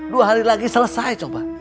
dua hari lagi selesai